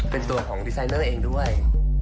เป็นตัวของดีไซเนอร์เองด้วย